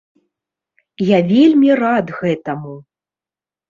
Я вельмі рад гэтаму!